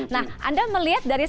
nah anda melihat dari